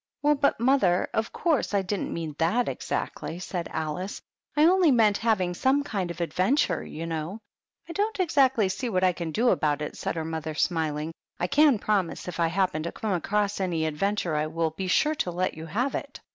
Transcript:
"Well, but, mother, of course I didn't mean that exactly," said Alice. " I only meant having some kind of adventure, you know." " I don't see exactly what I can do about it," said her mother, smiling. " I can promise that if I happen to come across any adventure I will be sure to let you have it.